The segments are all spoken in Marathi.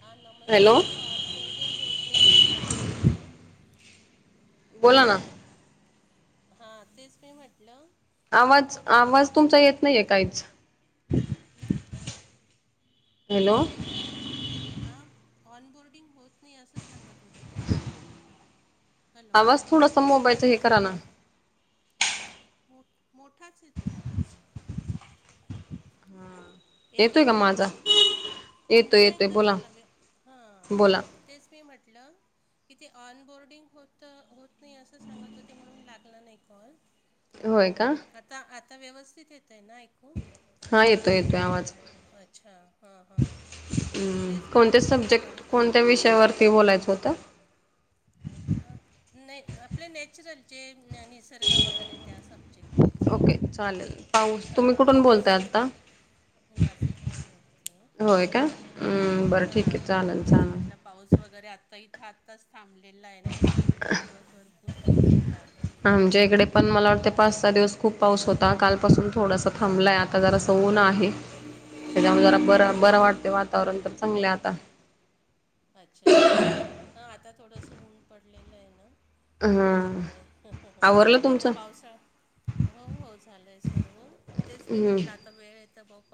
हा हॅलो नमस्कार ते ऑनबोर्डिंग होत नाही असं सांगत होते. बोला ना. हा तेच मी म्हटलं. आवाज ऑनबोर्डिंग आवाज होत तुमचा येत नाहीये काहीच. नाही हॅलो हा ऑनबोर्डिंग होत नाही असं सांगत होते ते हॅलो. आवाज थोडासा मोबाईलचा हे करा ना मोठ मोठाच येतय आवाज येतोय का आता तुमचा येतोय मला व हां बोला तेच मी म्हटलं. कि ते ऑनबोर्डिंग होत होत नाही असं सांगत होते म्हणून लागला नाही कॉल. होय का? आता आता व्यवस्थित येत आहे ना ऐकू? हा येतोय येतोय आवाज. अच्छा हा हा. हम् कोणत्या सब्जेक्ट कसं कोणत्या पण विषयावरती बोलायचं होतं? न आपले नॅचरल जे निसर्ग वगैरे त्या सब्जेक्ट वरती. ओके चालेल पाऊस हा तुम्ही कुठून पाऊस. बोलताय आत्ता मी नाशिकहूनच बोलते. होय का बरं हा ठीक आहे चालेल तेच चालेल म्हटलं. पाऊस वगैरे आता इथं आत्ताच थांबलेला आहे. नाही तर तीन चार दिवस भरपूर पाऊस होता अगदी. आमच्या इकडे पण म्हणजे? मला अ् वाटते पाच सहा दिवस खूप पाऊस होता. कालपासून थोडंस थांबला आहे. आता जरास उन आहे. त्याच्यामुळे हो जरा का बर बरं वाटते वातावरण तर चांगलं हाय आता. अच्छा! अच्छा! हा आता थोडंस ऊन पडलेलं आहे ना. हा त्याच्यामुळे ह ह ह आवरलं नाही तर तुमचं पावसाळा हो हो झालंय सर्व. तेच मी हम्म म्हटलं आता वेळ आहे तर बघू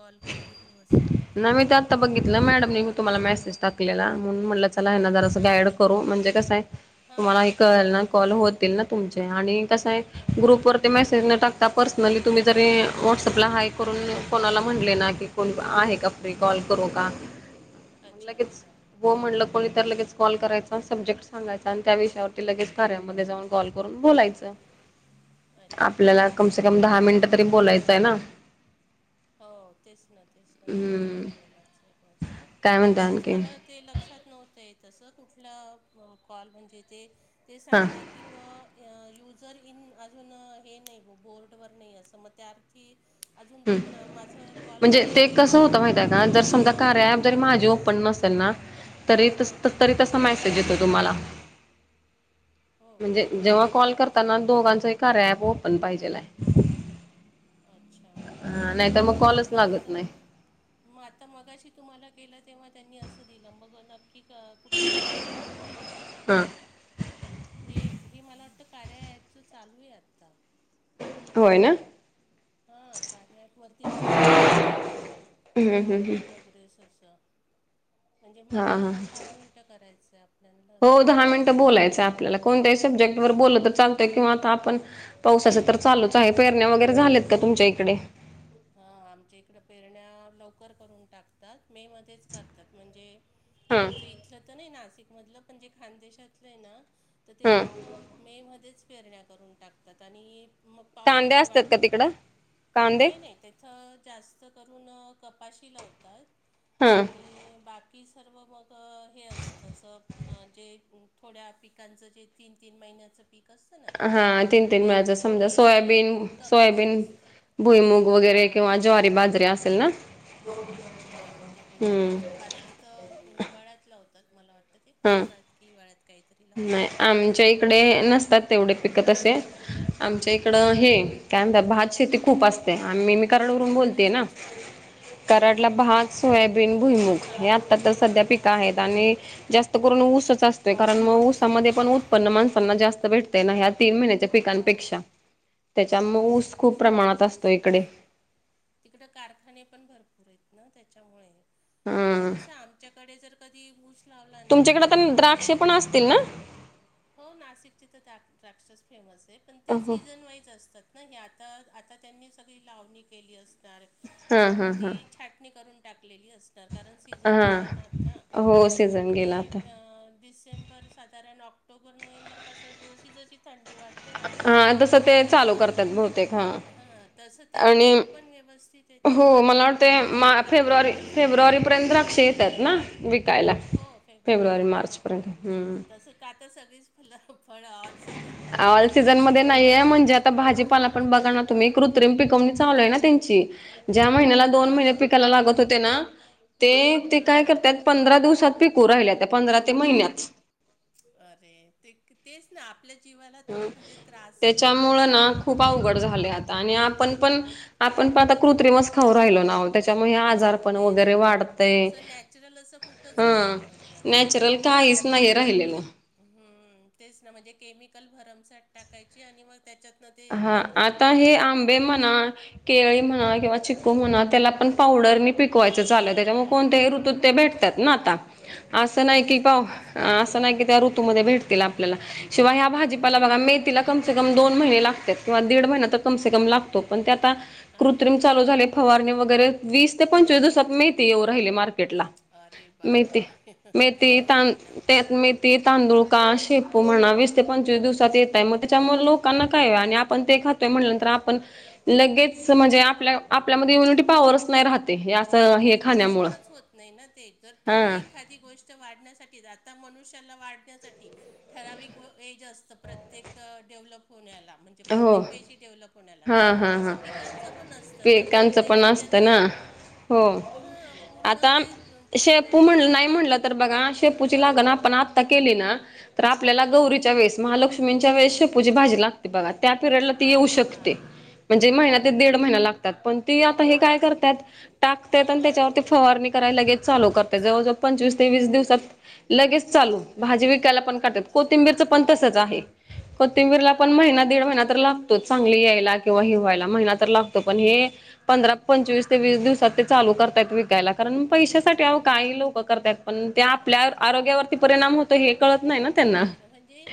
ना मी ते आता बघितलं. अच्छा मॅडमने तुम्हाला मेसेज टाकलेला म्हणून म्हटलं त्याला ये ना जरा असं हां गाईड हां करू. म्हणजे कसं आहे हां तुम्हाला ही थोडंसं कळेल ना कॉल गायडन्स मिळालं होतील ना तर बरं तुमचे हो आणि कस आहे हो ग्रुप वरती तेच मेस् न टाकता पर्सनली तुम्ही जरी वटसअपला हाय करून कोना- म्हटले ना की कोणी आहे का फ्री? कॉल करू का? अच्छा लगेच अच्छा व म्हटलं कोणी तर लगेच कॉल करायचा आणि सब्जेक्ट सांगायचा आणि त्या विषयावरती लगेच कार्यामध्ये जाऊन कॉल करून बोलायचं. अच्छा आपल्याला कमसे कम दहा मिनिट तरी बोलायचं आहे ना. हो तेच ना तेच ना दहा हम्म मिनटं बोलायचं आहे. बसं काय म्हणता तेच आणखी मला ते लक्षात नव्हतय तस कुठला कॉल म्हणजे ते ते हा सांगता ये की ब युजर इन अजून हे नाही मग बोर्डवर नाही असं मग त्यार्थी अजून हम्म ते न माझ कॉल म्हणजे ते घेतला नाही कसं का होतं माहित बास आहे का जर समजा कार्या अँप जरी माझे ओपन नसेल ना तरी हां तरी तसा मेसेज येतो तुम्हाला. हो म्हणजे का जेव्हा कॉल अच्छा करताना दोघांचं कारया ऍप ओपन पाहिजेला आहे. अच्छा! हा नाहीतर कॉलच मग लागत आता नाही मग आता मगाशी तुम्हाला केलं तेव्हा त्यांनी असं दिलं मग की क कुठला प्रॉब्लेम होता भावाचा. हा हे हे मला वाटतं कार्या अँपच चालू आहे आता. होय ना. हा कार्या अँपवरती दाखवत य ते. हम्म कॉल इन प्रोग्रेस असं. म्हणजे मग हा कॉल दहा मिनटं करायचा आहे आपल्याला हो असं दहा मिनटं बोलायचंय आपल्याला कोणत्याही सब्जेक्ट वर बोललं तर अच्छा अच्छा चालतय किवा आता आपण- पावसाच तर चालूच आहे. पेरण्या वगैरे झाल्यात का हां तुमच्या हां इकडे? हा आमच्या इकडं पेरण्या लवकर करून टाकतात. मे मध्येच करतात. म्हणजे हा आमचं इथलं तर नाही नाशिकमधलं पण जे खानदेशातलं आहे ना तर ते हं लोक मे मध्येच पेरण्या करून टाकतात आणि मग कांदे पावसाची असतात वाट का बघ तिकडं कांदे नाही नाही, त्याच जास्त करून कपाशी लावतात. हं आणि बाकी की सर्व मग हे असतं. असं जे थोड्या पिकांचं जे तीन तीन महिन्याचं पीक असत ना. हा तीन पण तीन मेन वेळाचं समजा मेन हे सोयाबीन पाशी सोयाबीन असतं. भुईमूग वगैरे हां किंवा ज्वारी तसं. बाजरी तसं. असेल ना हा. त्या हम्म पद्धतीचं बाजरीचं हिवाळ्यात लावतात मला वाटतं ते हा पावसात की हिवाळ्यात काहीतरी लावतात. नाही आमच्या इकडे नसतात तेवढे पिकं तसे, आमच्या हो इकडं का हे काय म्हणताय, भात शेती खूप असते आणि मी कराडवरून बोलतेये अच्छा ना. अच्छा कुठून कराडला भात, सोयाबीन, भुईमुख हां हे हां आत्ता हां तर सध्या पिकं हो आहेत का आणि जास्त करून ऊसच अच्छा असतोय का मग ऊसामध्ये पण उत्पन्न माणसांना जास्त भेटतय ना, ह्या तीन महिन्याच्या हो पिकांपेक्षा. हो त्याच्यामुळे बरोबर आहे ऊस खूप प्रमाणात असतो इकडे. तिकड कारखाने पण भरपूर आहेत ना त्याच्यामुळे, आता हा कसं आमच्या कडे जर कधी ऊस लावला ना, तुमच्याकडे तर आता ते द्राक्षे पण असतील ना हो नाशिकची तर द्राक्षच फेमस आहे. पण ते हो सीझन वाईज अस तात ना, हे आता आता त्यांनी सगळी लावणी केली असणार हां किंवा मग हां हां ती छाटणी करून टाकलेली अस ता. कारण सीजन गेला ना आता, हां हो मग सीझन हे गेला आता अ डिसेंबर ता साधारण ऑक्टोबर, नोव्हेंबरपासून जशी जशी थंडी वाढते ना हा तस ते च तर चालू अं, करत्यात बहुतेक हा, हां तसं ते आणि पीक पण व्यवस्थित हो येतं आणि मला वाट ते मग मा फेब्रुवारी, कापणीला असतं फेब्रुवारी पर्यंत द्राक्ष येत्यात ना, ते विकायला हो फेब्रुवारी, हो हो मार्चपर्यंत हू. तसं आता सगळीच म्हणलं फळ ऑल सीझन झाली ऑल म्हणजे सीझन असं मध्ये काही नाहीये म्हणजे ठराविक आता भाजीपाला पण बघा ना तुम्ही कृत्रिम पिकवणी चालू हाय ना त्यांची, ज्या महिन्याला दोन महिने हां पिकाला लागत होते ना ते, ते काय करत्यात, हां पंधरा दिवसात पिकू राहिल्यात त्या पंधरा ते महिन्यात. अरे ते तेच ना, आपल्या जीवाला जो म्हणजे त्रास येतो की त्याच्यामुळं नाही ना खूप अवघड झाले आता आणि आपण पण, आणि आपण पण आता कृत्रिमच खाऊ राहिलो ना त्याच्यामुळे हे आजारपण तेच वगैरे ना वाढतय, असं नॅचरल असं कुठंच हा. नाही आहे म्हणजे असं नॅचरल काहीच नाही राहिलेलं. हू तेच ना, म्हणजे केमिकल भरमसाट टाकायची आणि वर त्याच्यातनं ते हा पीक आता उत्पन्न हे लवकर आंबे म्हणा घ्यायचं केळी म्हणा किंवा चिकू म्हणा त्याला पण पावडरनी पिकवायचं चाललंय त्याज्यामु कोणत्याही हो ऋतुत ते भेटतात ना आता, आस नाही की तेच ना कवा, तेच ना आ असं को नाही की त्या ऋतूमध्ये भेटतील आपल्याला, शिवाय हा भाजीपाला बरोबर बघा, मेथिला कम से कम दोन महिने लागतात. किंवा दीड महिना तर कम से कम लागतो पण ते आता हां हां कृत्रिम हां चालू झाले फवारणी वगैरे, वीस ते पंचवीस दिवसात मेथी येऊ राहिली मार्केटला. अरे मेथी, बापरे मेथी किती तान वाईट ना म्हणजे त्यात मेथ ते तांदुळ का शेपू म्हणा, वीस ते पंचवीस दिवसात येतय, मग त्याच्यामुळे लोकांना काय आणि आपण ते खातोय म्हणल्यांतर आपण लगेच म्हणजे आपल्या, आपल्यामध्ये इम्युनिटी पॉवरच नाही राहतय हे असं म्हणजे हे ते खाण्यामुळ. पोषणच होत नाही ना ते, जर तुम्ही एखादी गोष्ट वाढण्यासाठी जाता मनुष्याला वाढण्यासाठी ठराविक व एक एज असतं प्रत्येक अ डेव्हलप होण्याला. हो प्रत्येक पेशी डेव्हलप होण्याला, हा हा तसं हा पिकांचं पण असतं ना पिकांचं पण प्रत्येक अ त्य असतं च ना पूर्ण हो हां पूर्ण आता ते अं, पूर्ण शेपू हे म्हण नाही व्हायला म्हणलं तर तेवढा बघा हं, शेपूची लागन आपण आता आता केली ना तर आपल्याला हं. गौरीच्या वेळेस महालक्ष्मींच्या वेळेस शेपूची भाजी लागते. ती बघा त्या पिरियडला ती येऊ हां शकते. हां म्हणजे महिना ते हो दीड महिना लागत. पण ती आता हे काय करत्यात टाकत्यात आणि त्याच्यावरती फवारणी करायला लगेच चालू करत. जवळजवळ पंचवीस ते वीस अरे दिवसात लगेच चालू, भाजी विकायला पण काढत्यात, अरे अरे कोथिंबीरच पण तसच आहे, कोथिंबीरला हां पण महिना दीड महिना तर लागतोच, चांगली यायला किंवा हिरवा यला महिना तर लागतो, पण हे पंधरा, पंचवीस ते वीस दिवसात ते चालू करतायत विकायला, कारण पैशासाठी अहो काही लोक करत्यात. पण ते आपल्या हो ना आरोग्यावरती तेच परिणाम ना होतो हे कळत नाही ना त्यांना. तेच म्हणजे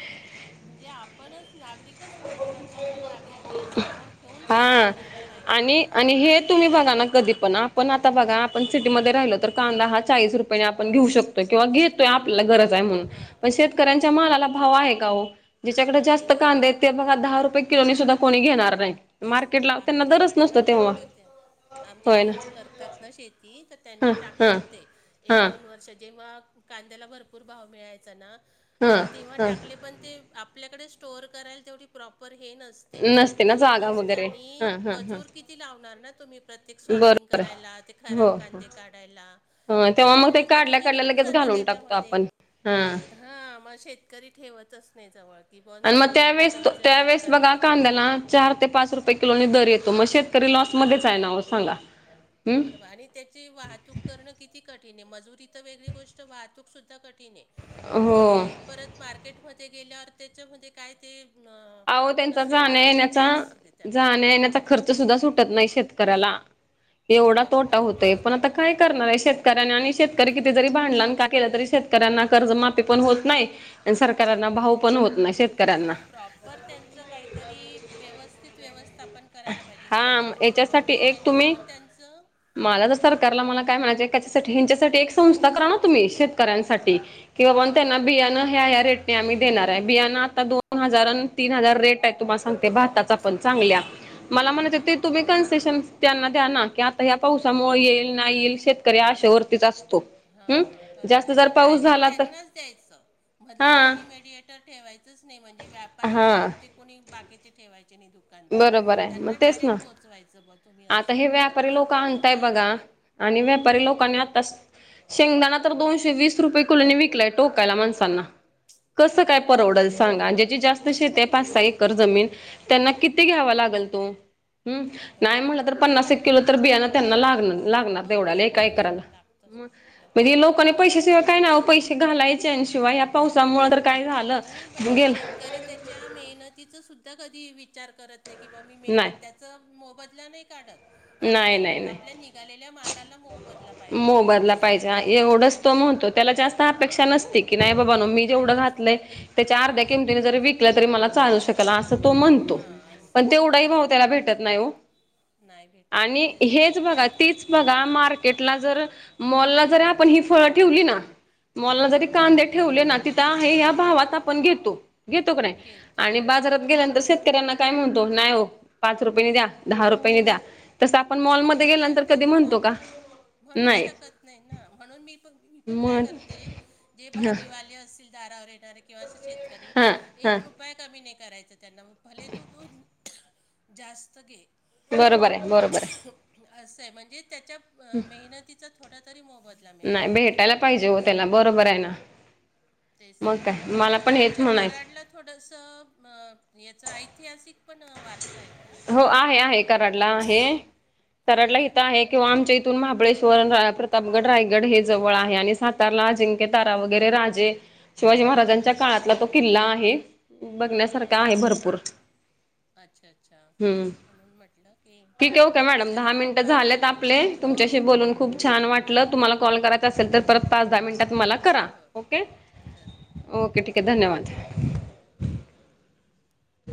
म्हणजे आपणच नागरिक तितकच महत्त्वाचं आहे त्या नागरिकला समोर ठेवून सगळं हा करायला पाहिजे ना आणि आणि असं. हे तुम्ही बघा ना कधी पण पण आता बघा आपण सिटीमध्ये राहिलं तर कांदा हा चाळीस रुपयाने आपण घेऊ शकतो. किंवा घेतोय हो आपल्याला गरज आहे म्हणून हां पण शेतकऱ्यांच्या बरोबर मालाला भाव आहे का ओ जिच्याकडे जास्त नाही कांदेे आहेत ते नाही बघा दहा रुपये किलोनी सुद्धा कोणी घेणार नाही मार आमच्याकडे पण टाकल होते. आमचे होय ना दीर करतात ना शेती तर हा त्यांनी हा टाकले होते. एक हा दोन वर्ष जेव्हा कांद्याला भरपूर भाव मिळायचा ना हा आणि तेव्हा हा टाकले पण ते आपल्याकडे स्टोअर करायला तेवढी प्रॉपर हे नसते ना सोय जागा नसते. वगैरे हा आणि हा हा मजूर किती लावणार ना तुम्ही प्रत्येक सॉर्टिंग बरोबर करायला ते आहे खराब हो कांदे काढायला हो तर तेव्हा मग ते त्याच्यामुळे काढल्या मजुरी काढल्या खूप लगेच जाते त्याची घालून टाकतो आपण त्याच्यामध्ये हा हा मग शेतकरी ठेवतच नाही जवळ की बुवा आणि मग नको एवढं त्यावेेळेस सगळी झंझट त्यावेेळेस बघा करण्यापेक्षा कांंद्याला चार ते पाच रुपये किलोनी दर येतो मग शेतकरी लॉसमध्येच आहे ना हो ओ सांगा हम्म बरोबर आणि त्याची वाहतूक करणं किती कठीण आहे मजुरी तरं वेगळी गोष्ट वाहतूकसुद्धा कठीण आहे. हो आणि ती परत मार्केटमध्ये गेल्यावर त्याच्यामध्ये काय ती अहो कसले वेगवेगळे टॅक्स देतात. जाण्यायेण्याचा खर्च सुद्धा सुटत नाही शेतकऱ्याला एवढा बरोबर तोटा आहे होतोय तेच पण ना आता काय करणार आहे शेत कर्यांना आणि शेतकरी किती जरी भांडला आणि काय केलं तरी शेतकऱ्यांना कर्जमाफी पण होत नाही आणि सर शेतकऱ्यांना भाव पण हम्म. होत नाही शेतकऱ्यांना नाही प्रॉपर त्यांचं काहीतरी व्यवस्थित व्यवस्थापन करायला पाहिजे हा शेतकऱ्यांच पण याच्यासाठी की एक तुम्ही जेणेकरून त्यांचं मला तर हम्म. सरकारला मला काय म्हणायचं त्याच्यासाठी ह्यांच्यासाठी एक संस्था करा ना तुम्ही शेतकऱ्यांसाठी कि बाबांनो त्यांना हां बियाणं ह्या बरोबर आहे ह्या रेट आम्ही देणार आहे बियाणं आता दोन हजार अन् तीन हजार रेट आहे तुम्हाला सांगते भाताचा पण चांगल्या मला हो म्हणायचं आहे ना ते तुम्ही हां हां कन्सेशन त्यांना द्या ना की आता ह्या पावसामुळे येईल नाही येईल शेतकरी आशेवरतीच असतो. हा हम्म बरोबर जास्त जर आणि पाऊस डायरेक्ट झाला तर त्यांनाच द्यायचं. मधलं हा कोणी मेडिएटर ठेवायचंच नाही म्हणजे व्यापारी हा ना ते कोणी बाकीचे ठेवायचे नाही दु दुकानदार बरोबर आहे मग त्यांना तेच ना डायरेक्ट पोचवायचं बा तुम्ही आता असं हे व्यापारी लोक तेव्हा तो आणताय फायद्यात बघा राहील. आणि व्यापारी लोकांनी हं. आताच शेंगदाना तर दोनशे वीस रुपये किलोनी विकलाय टोकायला माणसांना कसं अरे काय बापरे! परवडल सांगा ज्याची जास्त शेती आहे पाच सहा एकर जमीन त्यांना किती घ्यावा हं. लागल तो हम् नाही बरोबर म्हटलं आहे तर ना, पन्नास बरोबर एक आहे. किलो तर बियाणं त्यांना लाग लागणार मग तेवढ्याला एका लागतंच, एकराला ना, लागतंच मग म्हणजे लोकांनी लागतंच तेच पैसेसेवा काय ना पैसे हे घालायचे आणि शिवाय या पावसामुळे तर काय झालं नेल. त्या मेहनीतीचा सुद्धा कधी विचार करत नाही कि मी नाही मेहनत त्या मोबदला नाही काढत. फक्त नाही नाही नाही आपल्या निघालेल्या मालाला मोबदला पाहिजे मोबदला एवढंच तो पाहिजे विचार एवढंच करतो. तो म्हणतो त्याला जास्त हा अपेक्षा नसते की नाही बाबानो मी नाही जेवढं घात नाही असते. त्याच्या अर्ध्या नसते किमतीनं जरी नसते विकलं तरी मला चालू शकत त्याला असं तो म्हणतो हां असं पण तेवढाही भाव बरोबर त्याला आहे ना. भेटत नाही ओ नाही घेत आणि हेच बघा तीच बघा मार्क टला जर मॉलला जरी आपण ही फळं ठेवली ना मॉलला जरी कांदे ठेवले ना त या हाय भावात आपण घेतो घेतो का नाही घेतो आणि बाजारात बरोबर गेल्यानंतर आहे. शेतकऱ्यांना काय म्हणतो नाही हो पाच रुपयाेनी द्या दहा रुपयाेनी द्या तस आपण मॉलमध्येध्ये गेल्यानंतर कधी म्हणतो का म्हणू नाही शकत नाही ना म्हणून मी मी पण काय मग करते जे ह भाजीवाले असतील दारावर येणार किंवा अस शेतकरी हा हा एक रुपय उपाय कमी नाही करायच त्यांना मग फले तो दोन जास्त घे बरोबर आहे बरोबर आहे असं आहे म्हणजे त्याच्या मेहनतीचा थोडा तरी मोबत मिळाला नाही पाहिजे भेटायला ब त्याला हो असं बरोबर आहे ना तेच मग ना काय मला पण हेच तुमच्या म्हणायचं कराडला थोडस याचा ऐतिहासिक पण वारसा आहे का हो आहे आहे कराडला आहे हो कराडला ना इथं आहे किंवा आमच्या इथून महाबळेश्वर प्रतापगड रायगड हे जवळ आहे आणि सातारला अजिंका तारा वगैरे राजे शिवाजी महाराजांच्या काळातला तो अच्छा किल्ला आहे बघण्यासारखा हो आहे का भरपूर अच्छा अच्छा हम्म म्हणून म्हटलं की ठीक आहे ओके मॅडम आता काय दहा मिनिटं स्वयंपाक झालेत वगैरे हो तुमच्याशी हो बोलून चालेल खूप ठीक छान आहे बाय वाटलं तुम्हाला कॉल करायचं असेल तर परत पाच दहा मिनटात तुम्हाला हो करा हो ओके ओके ठीक आहे धन्यवाद धन्यवाद